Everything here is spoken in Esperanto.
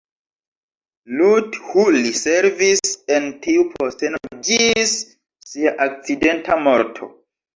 Luthuli servis en tiu posteno ĝis sia akcidenta morto.